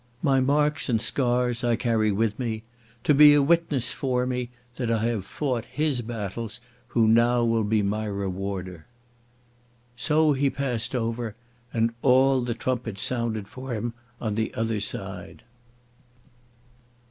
My marks and scars I carry with me, to be a witness for me that I have fought His battles who now will be my rewarder.'_ _"So he passed over, and all the trumpets sounded for him on the other side."